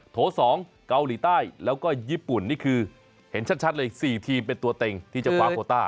โถ๒เกาหลีใต้แล้วก็ญี่ปุ่นนี่คือเห็นชัดเลย๔ทีมเป็นตัวเต็งที่จะคว้าโคต้า